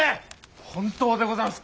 本当でございます。